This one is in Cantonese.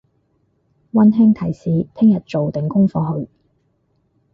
溫馨提示聽日做定功課去！